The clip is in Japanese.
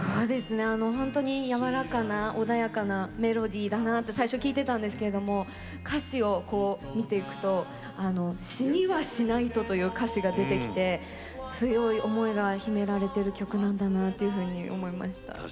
本当にやわらかな穏やかなメロディーだなって最初、聴いてたんですけど歌詞を見ていくと「死にはしないと」という歌詞が出てきて強い思いが秘められてる曲なんだなっていうふうに思いました。